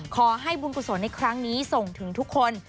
ขอให้บุญกุศลในครั้งนี้ส่งถึงทุกคน